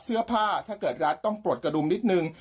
เสื้อผ้าถ้าเกิดรัดต้องปลดกระดุมนิดนึง